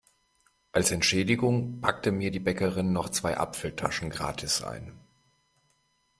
Als Entschädigung packte mir die Bäckerin noch zwei Apfeltaschen gratis ein.